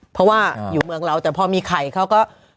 เพราะว่าอยู่เมืองเราแต่พอมีไข่เขาก็